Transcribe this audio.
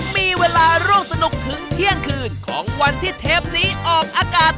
มีเวลาร่วมสนุกถึงเที่ยงคืนของวันที่เทปนี้ออกอากาศ